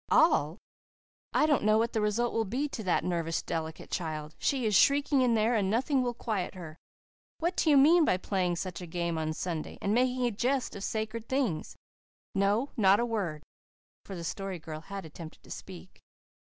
"All! I don't know what the result will be to that nervous delicate child. She is shrieking in there and nothing will quiet her. What do you mean by playing such a game on Sunday, and making a jest of sacred things? No, not a word " for the Story Girl had attempted to speak.